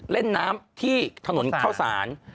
เล่นน้ำที่ถนนเข้าสาร